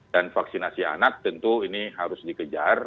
dan vaksinasi anak tentu ini harus dikejar